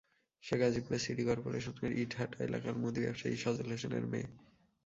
সে Gazipur city করপোরেশনের ইটাহাটা এলাকার মুদি ব্যবসায়ী সজল হোসেনের মেয়ে।